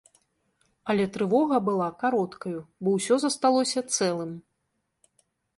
Але трывога была кароткаю, бо ўсё засталося цэлым.